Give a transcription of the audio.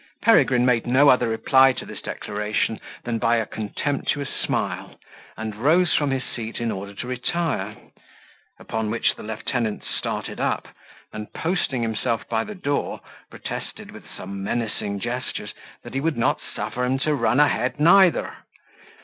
Peregrine made no other reply to this declaration than by a contemptuous smile, and rose from his seat in order to retire; upon which the lieutenant started up, and, posting himself by the door, protested, with some menacing gestures, that he would not suffer him to run a head neither.